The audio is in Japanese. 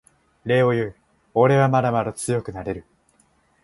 礼を言うおれはまだまだ強くなれる